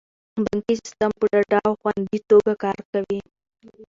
بانکي سیستم په ډاډه او خوندي توګه کار کوي.